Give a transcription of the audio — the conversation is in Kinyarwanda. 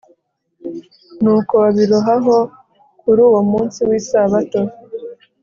nuko babirohaho kuri uwo munsi w'isabato